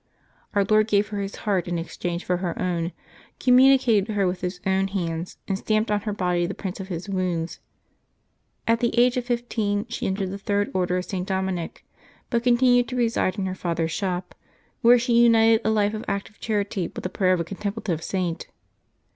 Our Lord gave her His Heart in exchange for her own, communicated her with His own hands, and stamped on her body the print of His wounds. At the age of fifteen she entered the Third Order of St. Dominic, but continued to reside in her father's shop, where she united a life of active charity with the prayer of a contemplative Saint.